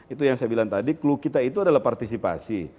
itu yang saya bilang tadi clue kita itu adalah partisipasi